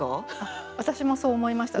私もそう思いました。